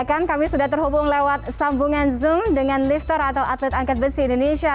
ini kan kami latihannya di komplek marinir ya